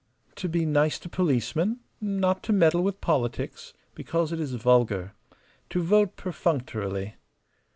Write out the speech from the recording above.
"To be nice to policemen. Not to meddle with politics, because it is vulgar. To vote perfunctorily.